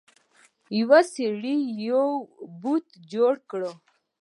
یو سړي یو بت جوړ کړ.